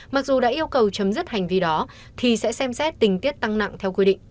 mặc dù đã yêu cầu chấm dứt hành vi đó thì sẽ xem xét tình tiết tăng nặng theo quy định